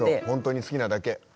本当に好きなだけ。